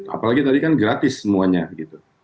apalagi tadi kan gratis semuanya begitu